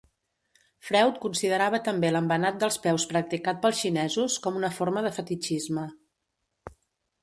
Freud considerava també l'embenat dels peus practicat pels xinesos com una forma de fetitxisme.